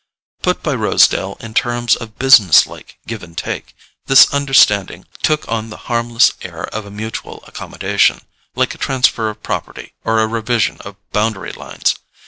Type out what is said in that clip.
Put by Rosedale in terms of businesslike give and take, this understanding took on the harmless air of a mutual accommodation, like a transfer of property or a revision of boundary lines.